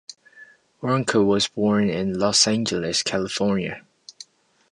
Waronker was born in Los Angeles, California.